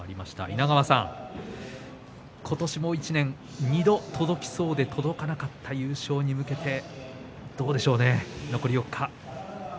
稲川さん、今年２度届きそうで届かなかった優勝に向けてどうでしょうね、残り４日。